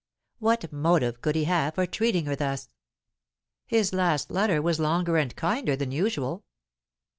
What motive could he have for treating her thus? His last letter was longer and kinder than usual.